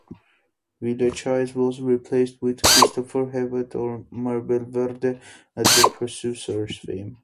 Villechaize was replaced with Christopher Hewett, of "Mr. Belvedere" and "The Producers" fame.